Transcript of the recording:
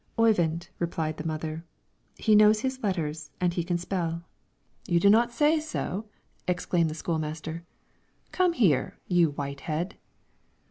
"Oyvind," replied the mother, "he knows his letters and he can spell." "You do not say so!" exclaimed the school master. "Come here, you white head!"